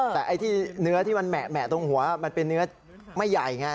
แต่ไอ้ที่เนื้อที่มันแหมะตรงหัวมันเป็นเนื้อไม่ใหญ่ไง